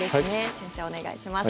先生お願いします。